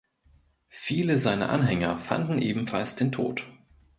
Viele seiner Anhänger fanden ebenfalls den Tod.